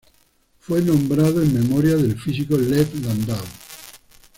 Fue nombrado en memoria del físico Lev Landau.